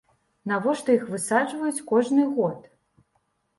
Навошта іх высаджваюць кожны год?